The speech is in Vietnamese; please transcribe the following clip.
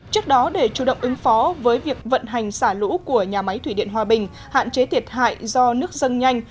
trước đó để chủ động ứng phó với việc vận hành xả lũ của nhà máy thủy điện hòa bình hạn chế thiệt hại do nước dâng nhanh